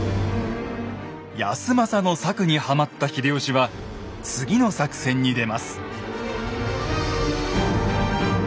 康政の策にはまった秀吉は次の作戦に出ます。